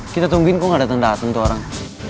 kita tungguin kok nggak dateng dateng tuh orang